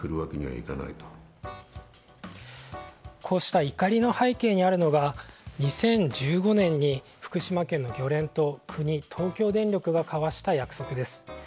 こうした怒りの背景にあるのが２０１５年に福島県の漁連と国東京電力が交わした約束です。